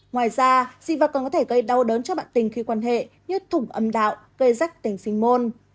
ngoài ra di vật còn có thể gây đau đớn cho bạn tình khi quan hệ như thủng âm đạo gây rắc tình sinh môn